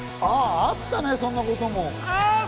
あったね、そんなことも。